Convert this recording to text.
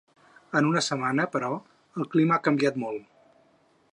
En una setmana, però, el clima ha canviat molt.